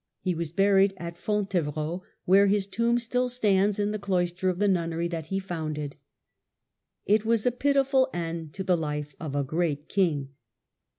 He was buried at Fontevrault, where his tomb still stands in the cloister of the nunnery that he founded. " It was a pitiful end to the life of a great king.